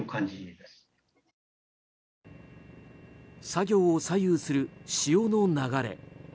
作業を左右する潮の流れ。